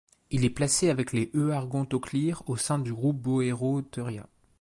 Il est placé avec les euarchontoglires au sein du groupe Boreoeutheria.